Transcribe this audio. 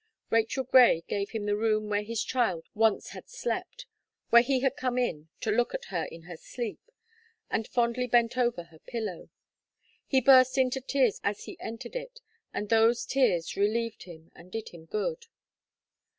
Rachel Gray gave him the room where his child once had slept, where he had come in to look at her in her sleep, and fondly bent over her pillow: he burst into tears as he entered it; and those tears relieved him, and did him good.